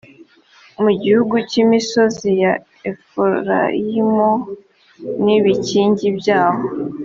mu gihugu cy’ imisozi ya efurayimu n ‘ibikingi byaho .